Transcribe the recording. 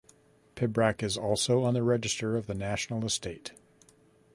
Pibrac is also on the Register of the National Estate.